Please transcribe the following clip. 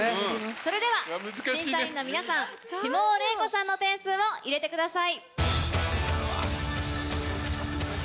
それでは審査員の皆さん下尾礼子さんの点数を入れてください。